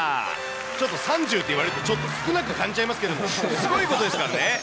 ちょっと３０って言われると、ちょっと少なく感じちゃいますけれども、すごいことですからね。